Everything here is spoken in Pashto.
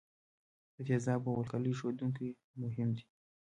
د تیزابو او القلیو ښودونکي مهم دي.